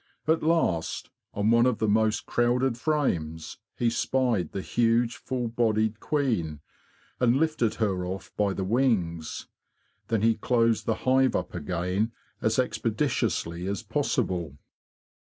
At last, on one of the most crowded frames, he spied the huge full bodied queen, and lifted her off by the wings. Then he closed the hive up again as expeditiously as possible.